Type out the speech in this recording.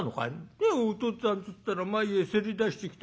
「だよおとっつぁんつったら前へせり出してきて」。